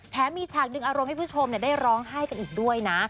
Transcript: มีฉากดึงอารมณ์ให้ผู้ชมได้ร้องไห้กันอีกด้วยนะ